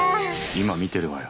今見てるわよ。